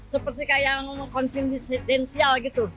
seperti kayak yang konfidencial gitu